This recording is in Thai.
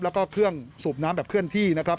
แล้วก็เครื่องสูบน้ำแบบเคลื่อนที่นะครับ